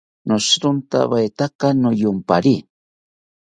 Noshirontawetaka niyompari